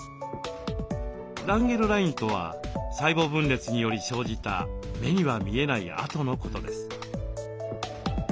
ランゲルラインとは細胞分裂により生じた目には見えない跡のことです。